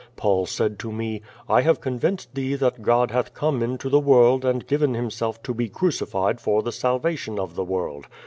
Paul said to me, 'I have convinced thee that God hath come into the world and given Himself to be crucified for tlie salvation of the world.